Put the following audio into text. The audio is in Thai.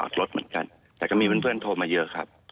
แต่ก็มีเพื่อนโทรมาเยอะครับ